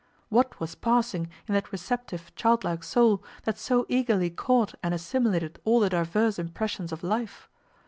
What was passing in that receptive childlike soul that so eagerly caught and assimilated all the diverse impressions of life?